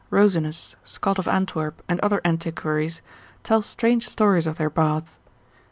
8, Rosinus, Scot of Antwerp, and other antiquaries, tell strange stories of their baths.